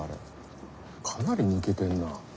かなり抜けてんな。